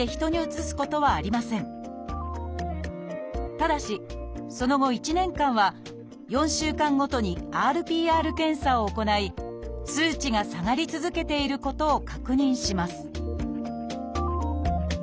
ただしその後１年間は４週間ごとにＲＰＲ検査を行い数値が下がり続けていることを確認します